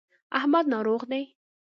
احمد ناروغ دی.